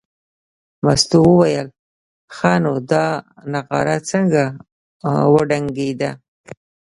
مستو وویل ښه نو دا نغاره څنګه وډنګېده.